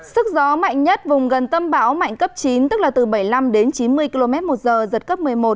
sức gió mạnh nhất vùng gần tâm bão mạnh cấp chín tức là từ bảy mươi năm đến chín mươi km một giờ giật cấp một mươi một